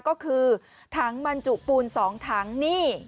ก็คือถังบรรจุปูน๒ถังนี่